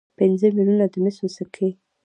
پنځه میلیونه د مسو سکې.